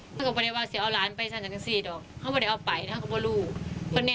จะเอาร้านไปทางมหังสีดอกเขาก็ไปลูก